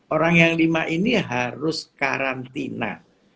orang yang lima ini harus karantina